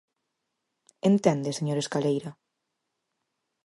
¿Entende, señor Escaleira?